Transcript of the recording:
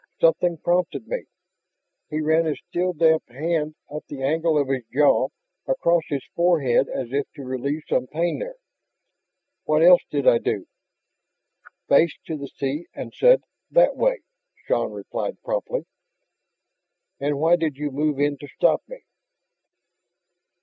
Something prompted me ..." He ran his still damp hand up the angle of his jaw, across his forehead as if to relieve some pain there. "What else did I do?" "Faced to the sea and said 'that way,'" Shann replied promptly. "And why did you move in to stop me?"